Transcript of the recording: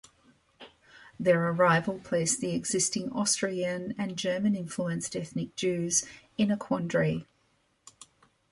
Their arrival placed the existing Austrian and German influenced ethnic Jews in a quandary.